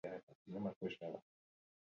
Frantziak ere badu bere bertsioa.